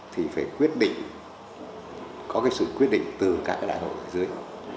thì phải quyết định có cái sự quyết định từ các cái đại hội ở dưới